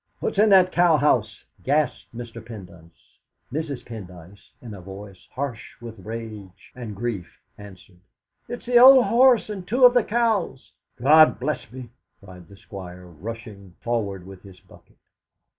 "What's in that cow house?" gasped Mr. Pendyce. Mrs. Peacock, in a voice harsh with rage and grief answered: "It's the old horse and two of the cows!" "God bless me!" cried the Squire, rushing forward with his bucket.